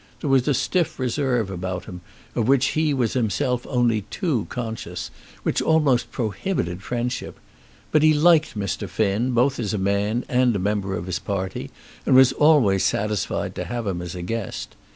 There was a stiff reserve about him, of which he was himself only too conscious, which almost prohibited friendship. But he liked Mr. Finn both as a man and a member of his party, and was always satisfied to have him as a guest.